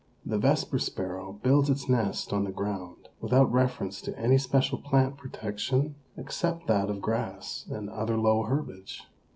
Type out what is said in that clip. The Vesper Sparrow builds its nest on the ground without reference to any special plant protection except that of grass and other low herbage.